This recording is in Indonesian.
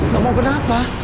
gak mau kenapa